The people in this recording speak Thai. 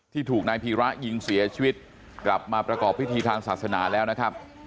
ถูกนายพีระยิงเสียชีวิตกลับมาประกอบพิธีทางศาสนาแล้วนะครับ